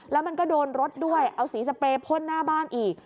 แล้วมันก็โดนรถด้วยเอาสีสเปรย์พ่นหน้าบ้านอีก